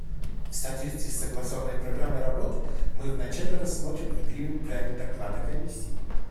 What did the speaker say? В соответствии с согласованной программой работы мы вначале рассмотрим и примем проект доклада Комиссии.